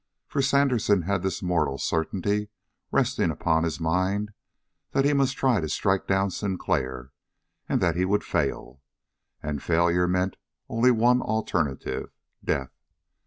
For Sandersen had this mortal certainty resting upon his mind that he must try to strike down Sinclair, and that he would fail. And failure meant only one alternative death.